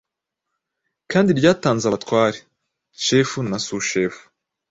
kandi ryatanze abatware shefu na sushefu.